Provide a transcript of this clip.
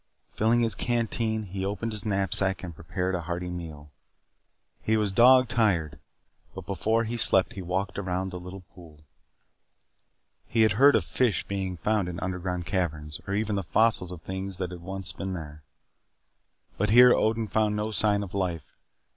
Filling his canteen, he opened his knapsack and prepared a hearty meal. He was dog tired but before he slept he walked around the little pool. He had heard of fish being found in underground caverns or even the fossils of things that had once been there. But here Odin found no sign of life.